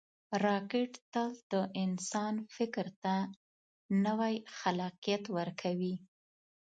راکټ تل د انسان فکر ته نوی خلاقیت ورکوي